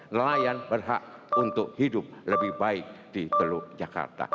nelayan berhak untuk hidup lebih baik di teluk jakarta